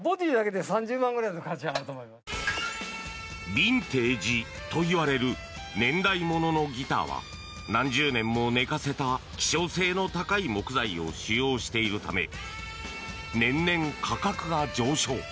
ビンテージといわれる年代物のギターは何十年も寝かせた希少性の高い木材を使用しているため年々、価格が上昇。